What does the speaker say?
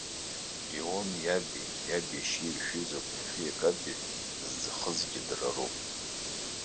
Леон иаби иаб иашьеи иршәыз акәымжәи акабеи зӡахызгьы дара роуп.